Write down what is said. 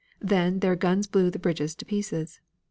Then their guns blew the bridges to pieces.